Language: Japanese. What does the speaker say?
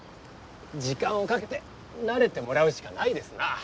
時間をかけて慣れてもらうしかないですなぁ。